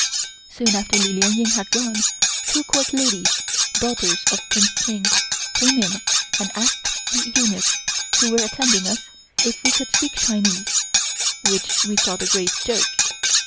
Soon after Li Lien Ying had gone, two court ladies, daughters of Prince Ching, came in and asked the eunuchs who were attending us if we could speak Chinese, which we thought a great joke.